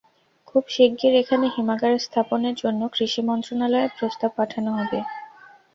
খুব শিগগির এখানে হিমাগার স্থাপনের জন্য কৃষি মন্ত্রণালয়ে প্রস্তাব পাঠানো হবে।